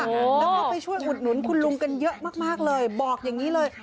แล้วก็ไปช่วยอุดหนุนคุณลุงกันเยอะมากเลยบอกอย่างนี้เลย